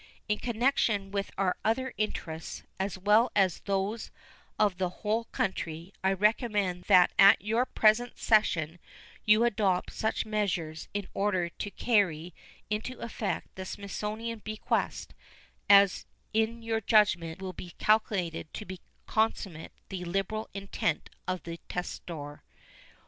In connection with its other interests, as well as those of the whole country, I recommend that at your present session you adopt such measures in order to carry into effect the Smithsonian bequest as in your judgment will be best calculated to consummate the liberal intent of the testator.